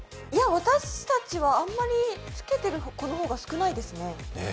私たちはあんまりつけてる子の方が少ないですね。